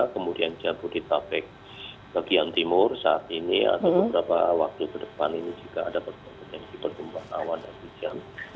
kemudian jabodetabek bagian timur saat ini atau beberapa waktu ke depan ini juga ada potensi pertumbuhan awan dan hujan